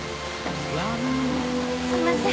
すいません。